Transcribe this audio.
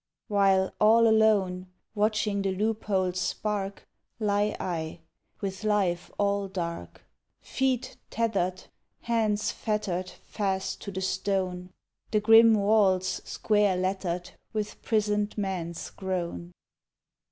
While, all alone, Watching the loophole's spark, Lie I, with life all dark, Feet tether'd, hands fetter'd Fast to the stone, The grim walls, square letter'd With prison'd men's groan.